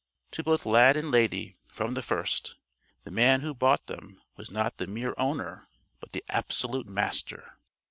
To both Lad and Lady, from the first, the man who bought them was not the mere owner but the absolute Master.